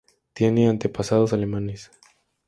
Tiene antepasados alemanes.